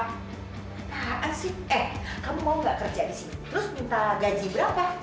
maaf sih eh kamu mau gak kerja disini terus minta gaji berapa